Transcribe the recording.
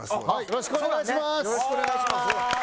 よろしくお願いします。